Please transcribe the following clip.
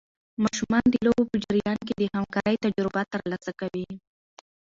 ماشومان د لوبو په جریان کې د همکارۍ تجربه ترلاسه کوي.